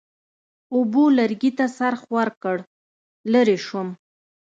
اوبو لرګي ته څرخ ورکړ، لرې شوم.